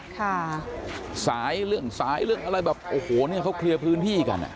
ค่ะสายเรื่องสายเรื่องอะไรแบบโอ้โหเนี้ยเขาเคลียร์พื้นที่กันอ่ะ